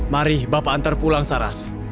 mari bapak antar pulang saras